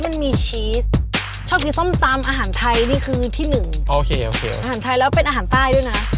ปกติชอบกินอาหารทะเลมั้ย